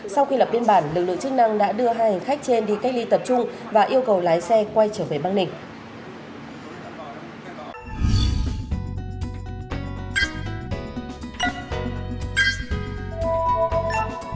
sau khi lập biên bản lực lượng chức năng đã đưa hai hành khách trên đi cách ly tập trung và yêu cầu lái xe quay trở về bắc ninh